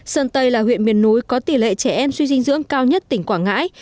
sơn tây là huyện miền núi có tỷ lệ trẻ em suy dinh dưỡng cao nhất tỉnh quảng ngãi